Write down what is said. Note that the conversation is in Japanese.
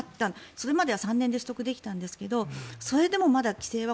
それまでは３年で取得できたんですがそれでもまだ規制は